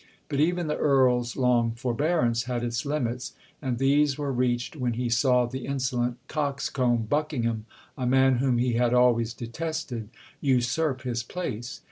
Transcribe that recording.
But even the Earl's long forbearance had its limits; and these were reached when he saw the insolent coxcomb, Buckingham, a man whom he had always detested, usurp his place.